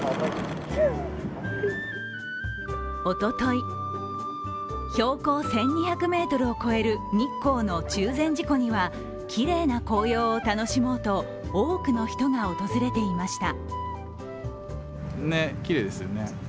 おととい、標高１２００ｍを超える日光の中禅寺湖にはきれいな紅葉を楽しもうと多くの人が訪れていました。